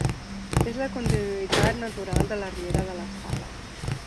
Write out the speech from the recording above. És la continuïtat natural de la riera de la Sala.